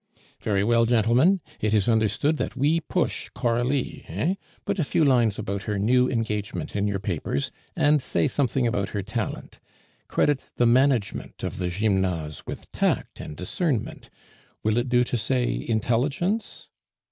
"Very well, gentlemen; it is understood that we push Coralie, eh? Put a few lines about her new engagement in your papers, and say something about her talent. Credit the management of the Gymnase with tack and discernment; will it do to say intelligence?"